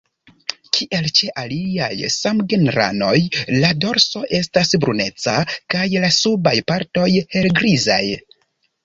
Kiel ĉe aliaj samgenranoj la dorso estas bruneca kaj la subaj partoj helgrizaj.